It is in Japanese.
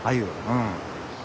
うん。